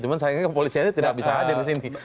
cuma sayangnya kepolisian tidak bisa hadir di sini